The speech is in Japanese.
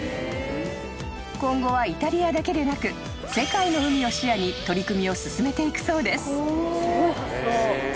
［今後はイタリアだけでなく世界の海を視野に取り組みを進めていくそうです］